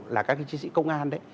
là các chiến sĩ công an